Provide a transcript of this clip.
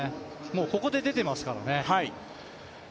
ここで出てますからね。